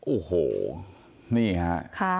โอ้โหนี่ฮะ